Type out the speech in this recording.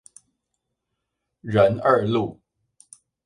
仁二路